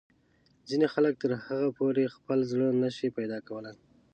ځینې خلک تر هغو پورې خپل زړه نه شي پیدا کولای.